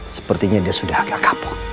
sepertinya dia sudah agak kapok